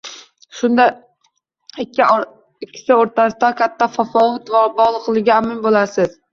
Shunda ikkisi orasida katta tafovut borligiga amin bo‘lasiz.